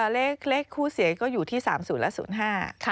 เลขคู่เสียก็อยู่ที่๓๐และ๐๕